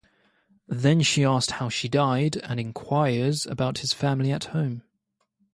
Then he asks her how she died and inquires about his family at home.